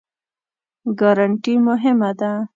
ګارنټي مهمه دی؟